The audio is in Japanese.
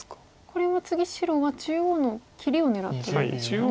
これは次白は中央の切りを狙ってるんですよね？